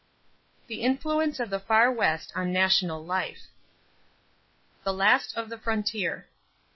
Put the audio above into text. THE INFLUENCE OF THE FAR WEST ON NATIONAL LIFE =The Last of the Frontier.